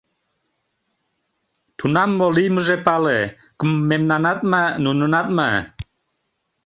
Тунам мо лиймыже пале: кмемнанат ма, нунынат ма...